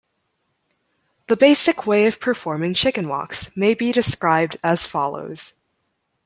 The basic way of performing chicken walks may be described as follows.